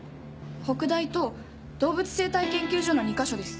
北大と動物生態研究所の２か所です。